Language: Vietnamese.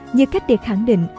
như cách để khẳng định